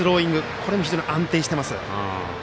これも非常に安定していました。